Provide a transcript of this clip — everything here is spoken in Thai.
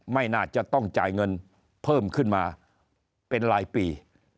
ไม่น่าจะต้องจ่ายเงินเพิ่มขึ้นมาเป็นรายปี